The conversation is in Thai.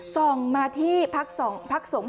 ส่งมาที่พักสงฆ